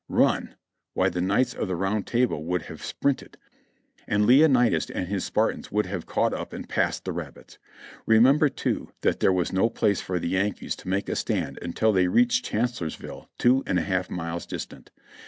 Run ! why the Knights of the Round Table would have sprinted, and Leonidas and his Spartans would have caught up and passed the rabbits. Remember, too, that there was no place for the Yankees to make a stand until they reached Chancellorsville two and a half miles distant.